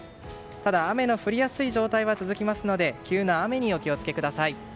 ただ、雨の降りやすい状態は続きますので急な雨にお気を付けください。